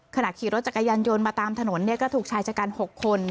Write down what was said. ขณะขี่รถจักรยานโยนมาตามถนนเนี่ยก็ถูกชายจัดการ๖คน